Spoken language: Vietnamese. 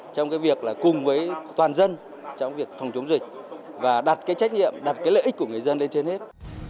trong việc cùng với toàn dân trong việc phòng chống dịch và đặt trách nhiệm đặt lợi ích của người dân lên trên hết